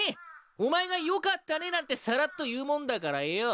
お前が「よかったね」なんてさらっと言うもんだからよ。